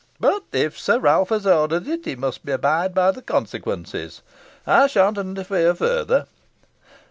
But if Sir Ralph has ordered it, he must abide by the consequences. I sha'n't interfere further.